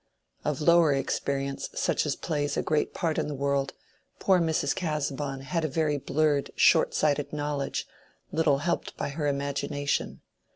(Of lower experience such as plays a great part in the world, poor Mrs. Casaubon had a very blurred shortsighted knowledge, little helped by her imagination.)